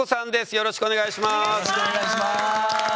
よろしくお願いします。